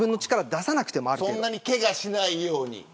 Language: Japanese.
そんなにけがしないように。